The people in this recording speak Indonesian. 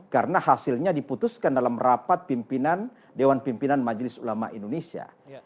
karena hasilnya diputuskan dalam rapat pimpinan dewan pimpinan majelis ulama indonesia